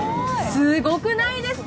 すごくないですか？